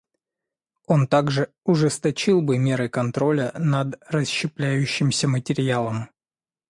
Он также ужесточил бы меры контроля над расщепляющимся материалом.